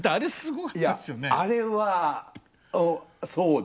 いやあれはそうだ。